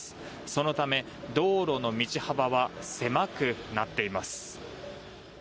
そのため道路の道幅は狭くなっています。